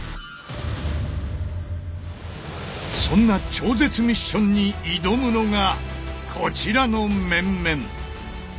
そんな超絶ミッションに挑むのがこちらの面々！